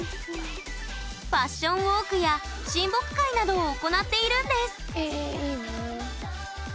ファッションウォークや親睦会などを行っているんですえいいなあ。